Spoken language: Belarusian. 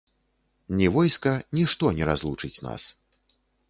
Ні войска, нішто не разлучыць нас.